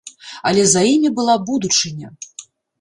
Але за імі была будучыня!